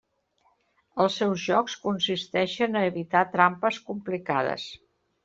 Els seus jocs consisteixen a evitar trampes complicades.